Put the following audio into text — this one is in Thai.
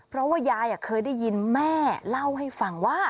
เพราะว่ายายเคยได้ยินแม่เล่าให้ฟังว่า